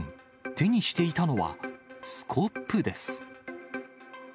手にしていたのはスコップです。